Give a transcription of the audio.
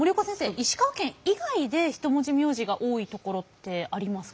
石川県以外で一文字名字が多い所ってありますか？